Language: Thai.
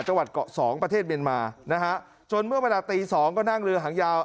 จังหวัดเกาะสองประเทศเมียนมานะฮะจนเมื่อเวลาตีสองก็นั่งเรือหางยาว